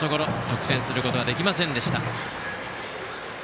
得点することができませんでした。